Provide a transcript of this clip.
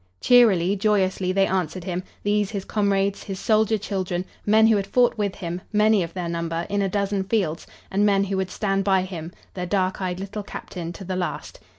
Cheerily, joyously they answered him, these his comrades, his soldier children, men who had fought with him, many of their number, in a dozen fields, and men who would stand by him, their dark eyed little captain, to the last.